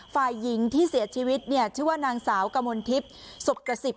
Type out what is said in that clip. ฝ่ายหญิงที่เสียชีวิตเนี่ยชื่อว่านางสาวกมลทิพย์สดกระสิบ